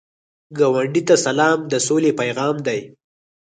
ګاونډي ته سلام، د سولې پیغام دی